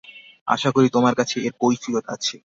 আশা করি তোমার কাছে এর কৈফিয়ত আছে।